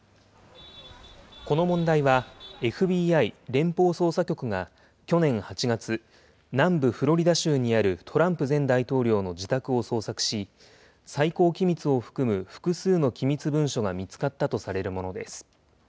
この問題は、ＦＢＩ・連邦捜査局が去年８月、南部フロリダ州にあるトランプ前大統領の自宅を捜索し、最高機密を含む複数の機密文書が見つかったとされるものです。